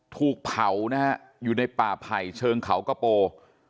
ถูกเผานะฮะอยู่ในป่าไผ่เชิงเขากระโป